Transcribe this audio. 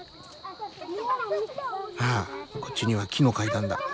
ああこっちには木の階段だ。